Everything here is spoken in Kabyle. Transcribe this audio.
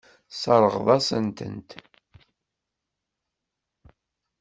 Tesseṛɣeḍ-asent-tent.